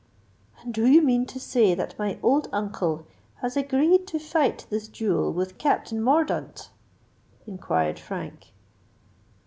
"And do you mean to say that my old uncle has agreed to fight this duel with Captain Mordaunt?" inquired Frank.